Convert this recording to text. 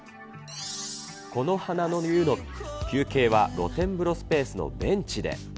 木の花の湯の休憩は露天風呂スペースのベンチで。